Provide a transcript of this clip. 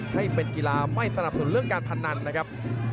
ไฟเป็นกีฬาไม่สนับสนอู่เรื่องการพันธ์แล้วครับ